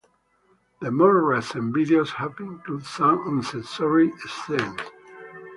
The more recent videos have included some "uncensored" scenes.